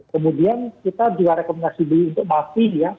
kemudian kita juga rekomendasi beli untuk mafis ya